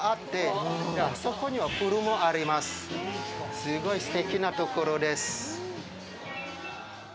すごいすてきなところです。